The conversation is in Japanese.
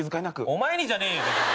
お前にじゃねえよ！